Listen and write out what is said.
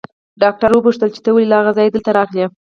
ډاکټر وپوښتل چې ته ولې له هغه ځايه دلته راغلې.